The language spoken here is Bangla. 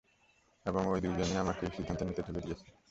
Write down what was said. এবং ওই দুইজনই আমাকে এই সিদ্ধান্ত নিতে ঠেলে দিয়েছে।